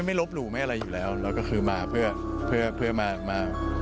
ไม่ลบหลู่ไม่อะไรอยู่แล้วแล้วก็คือมาเพื่อเพื่อมา